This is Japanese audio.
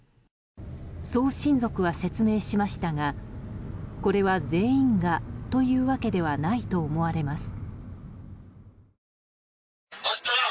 そう親族は説明しましたがこれは全員がというわけではないと思われます。